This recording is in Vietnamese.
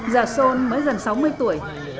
già sôn mới dần sáu mươi tuổi